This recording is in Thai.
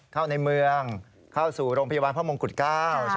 เข้าในเมืองเข้าสู่โรงพยาบาลพระมงกุฎเกล้า